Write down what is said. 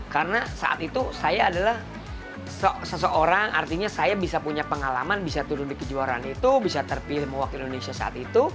karena saat itu saya adalah seseorang artinya saya bisa punya pengalaman bisa turun di kejuaraan itu bisa terpilih sebagai wakil indonesia saat itu